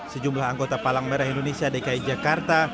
sejumlah anggota palang merah indonesia dki jakarta